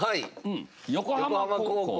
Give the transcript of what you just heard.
横浜高校。